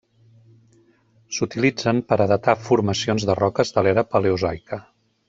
S'utilitzen per a datar formacions de roques de l'era paleozoica.